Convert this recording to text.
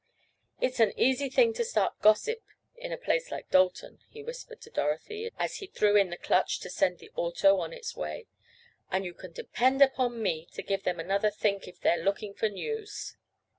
"It's an easy thing to start gossip in a place like Dalton," he whispered to Dorothy as he threw in the clutch to send the auto on its way, "and you can depend upon me to give them another 'think' if they're looking for news."